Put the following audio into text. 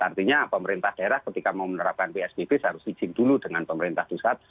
artinya pemerintah daerah ketika mau menerapkan psbb harus izin dulu dengan pemerintah pusat